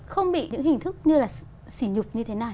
không bị những hình thức như là xỉ nhục như thế nào